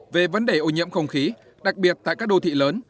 về vấn đề ô nhiễm không khí đặc biệt tại các đô thị lớn